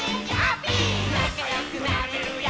「なかよくなれるよ」